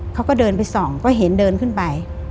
เขาก็เดินไปส่องก็เห็นเดินขึ้นไป